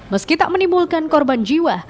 meski tak menimbulkan korban jiwa